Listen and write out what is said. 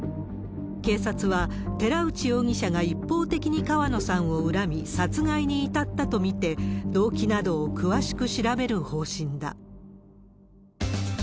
警察は、寺内容疑者が一方的に川野さんを恨み殺害に至ったと見て、動機などを詳しく調べる方針だ。